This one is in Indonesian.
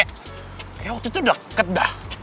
kayaknya waktu itu deket dah